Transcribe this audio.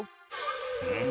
うん。